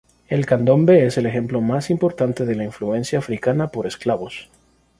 El candombe es el ejemplo más importante de la influencia africana por esclavos.